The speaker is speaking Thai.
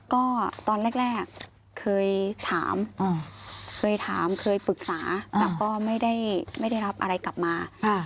ก็ตอนแรกเคยถามเคยถามเคยปรึกษาแต่ก็ไม่ได้รับอะไรกลับมา